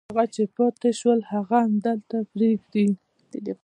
هغه چې پاتې شول هغه همدلته پرېږدي.